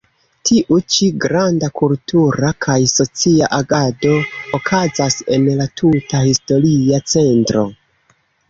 Tiu ĉi granda kultura kaj socia agado okazas en la tuta historia centro.